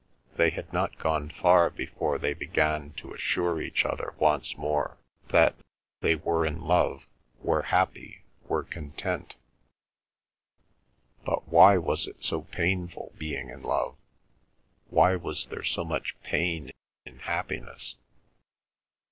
They had not gone far before they began to assure each other once more that they were in love, were happy, were content; but why was it so painful being in love, why was there so much pain in happiness?